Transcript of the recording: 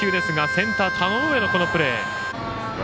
センター、田上のプレー。